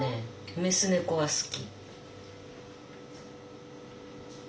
メス猫は好き。